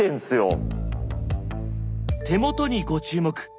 手元にご注目。